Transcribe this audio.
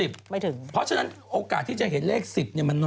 เพราะฉะนั้นโอกาสที่จะเห็นเลข๑๐มันน้อย